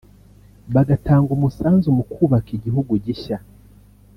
bagatanga umusanzu mu kubaka igihugu gishya